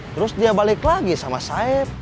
terus dia balik lagi sama saib